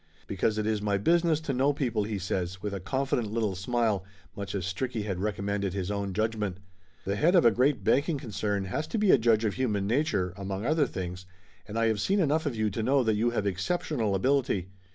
"Because it is my business to know people," he says with a confident little smile, much as Stricky had recommended his own judgment. "The head of a great banking concern has to be a judge of human nature, among other things, and I have seen enough of you to know that you have exceptional ability.